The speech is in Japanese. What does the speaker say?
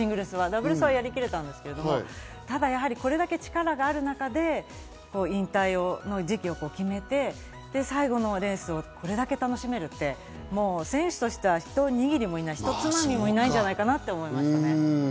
ダブルスはやり切れたんですけど、これだけ力がある中で引退の時期を決めて最後のレースをこれだけ楽しめるって選手としてはひと握りもいない、ひとつまみもいないんじゃないかなって思います。